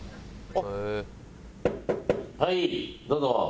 はいどうぞ。